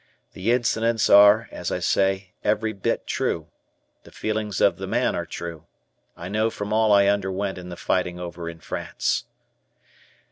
The incidents are, as I say, every bit true; the feelings of the man are true, I know from all I underwent in the fighting over in France.